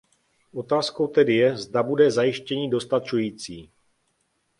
Otázkou tedy je, zda bude zajištění dostačující.